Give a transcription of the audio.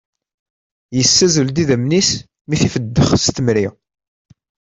Yessazzel-d idammen-is mi i t-ifeddex s temri.